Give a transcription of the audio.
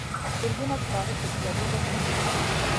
سلګونه سپاره په یوه لوبه کې وي.